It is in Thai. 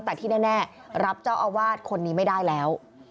แต่ที่แน่รับเจ้าอาวาสคนนี้ไม่ได้แล้ว